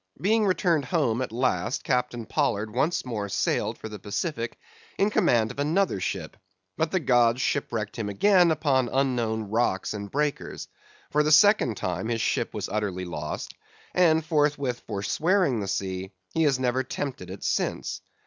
Being returned home at last, Captain Pollard once more sailed for the Pacific in command of another ship, but the gods shipwrecked him again upon unknown rocks and breakers; for the second time his ship was utterly lost, and forthwith forswearing the sea, he has never tempted it since.